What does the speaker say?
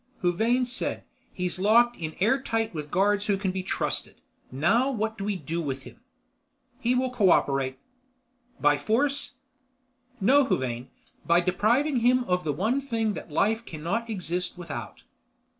Huvane said, "He's locked in air tight with guards who can be trusted. Now what do we do with him?" "He will co operate." "By force?" "No, Huvane. By depriving him of the one thing that Life cannot exist without."